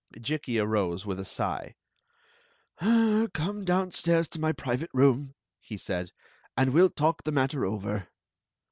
Jikki arose with a sigh. " Come downstairs to my private room, he said, "and we 11 talk the matter over."